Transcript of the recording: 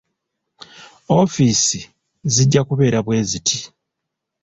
Ofiisi zijja kubeera bweziti.